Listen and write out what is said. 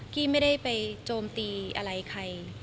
กี้ไม่ได้ไปโจมตีอะไรใคร